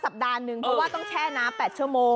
สัปดาห์นึงเพราะว่าต้องแช่น้ำแปดชั่วโมง